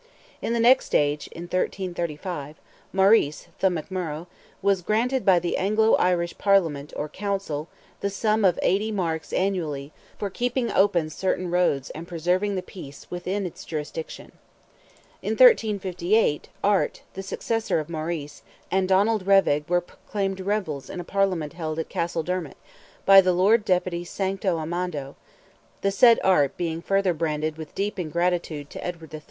In the next age, in 1335, Maurice, "the McMurrogh," was granted by the Anglo Irish Parliament or Council, the sum of 80 marks annually, for keeping open certain roads and preserving the peace within its jurisdiction. In 1358, Art, the successor of Maurice, and Donald Revagh, were proclaimed "rebels" in a Parliament held at Castledermot, by the Lord Deputy Sancto Amando, the said Art being further branded with deep ingratitude to Edward III.